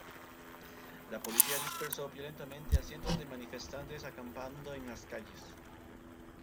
La policía dispersó violentamente a cientos de manifestantes acampando en las calles.